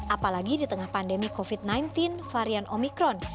apalagi di tengah pandemi covid sembilan belas varian omikron